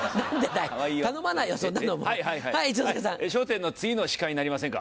『笑点』の次の司会になりませんか？